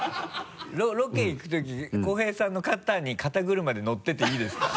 ロケ行くとき広平さんの肩に肩車で乗ってていいですか？